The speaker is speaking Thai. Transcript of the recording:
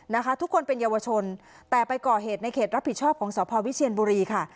นะคะทุกคนเป็นเยาวชนแต่ไปก่อเหตุในเขตรับผิดชอบของสพวิเชียนบุรีค่ะ